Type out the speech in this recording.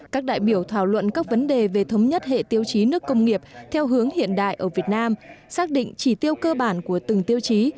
các đại biểu thảo luận các vấn đề về thống nhất hệ tiêu chí nước công nghiệp theo hướng hiện đại ở việt nam xác định chỉ tiêu cơ bản của từng tiêu chí